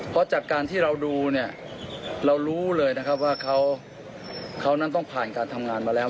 เพราะจากการที่เราดูเนี่ยเรารู้เลยนะครับว่าเขานั้นต้องผ่านการทำงานมาแล้ว